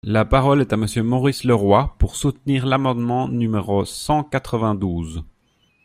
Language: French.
La parole est à Monsieur Maurice Leroy, pour soutenir l’amendement numéro cent quatre-vingt-douze.